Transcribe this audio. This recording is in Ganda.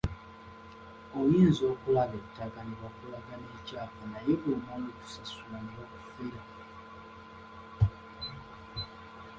Oyinza okulaba ettaka ne bakulaga n’ekyapa naye bw'omala okusasula ne bakufera.